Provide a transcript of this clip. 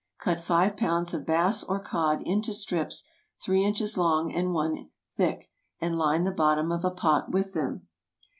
Cut five pounds of bass or cod into strips three inches long and one thick, and line the bottom of a pot with them.